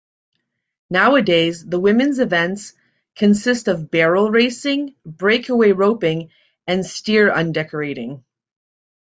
Nowadays the women's events consist of barrel racing, breakaway roping and steer undecorating.